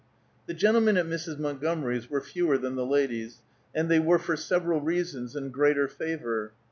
The gentlemen at Mrs. Montgomery's were fewer than the ladies, and they were for several reasons in greater favor.